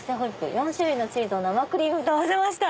「４種類のチーズを生クリームと合わせました。